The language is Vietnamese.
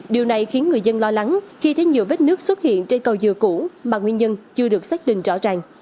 điều này khiến người dân lo lắng khi thấy nhiều vết nước xuất hiện trên cầu dừa cũ mà nguyên nhân chưa được xác định rõ ràng